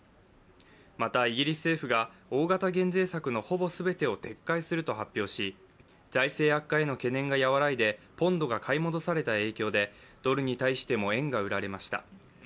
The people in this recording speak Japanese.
また、イギリス政府が大型減税策のほぼ全てを撤回すると発表し財政悪化への懸念が和らいでポンドが買い戻された影響でドルに対しても円が売られました。